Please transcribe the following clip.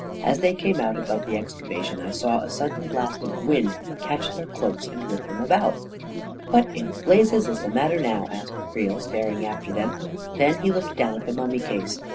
As they came out above the exca vation, I saw a sudden blast of wind catch their cloaks and whip them about. " What in blazes is the matter now? " asked Creel, staring after them. Then he looked down at the mummy case.